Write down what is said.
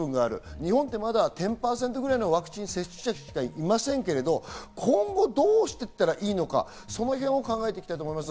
日本はまだ１０％くらいのワクチン接種者しかいませんけど、今後どうしていったらいいのか、そのへんを考えていきたいと思います。